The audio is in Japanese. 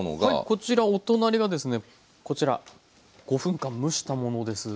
こちらお隣がですねこちら５分間蒸したものです。